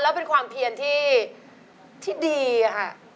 แล้วเป็นความเพียนที่ดีค่ะ